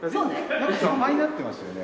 様になってますよね。